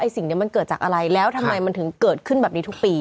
สิ่งนี้มันเกิดจากอะไรแล้วทำไมมันถึงเกิดขึ้นแบบนี้ทุกปี